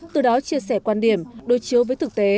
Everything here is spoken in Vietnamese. từ đó chia sẻ quan điểm đối chiếu với thực tế